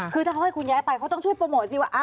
คือถ้าเขาให้คุณย้ายไปเขาต้องช่วยโปรโมทสิว่า